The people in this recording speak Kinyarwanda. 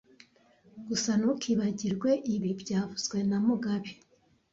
Gusa ntukibagirwe ibi byavuzwe na mugabe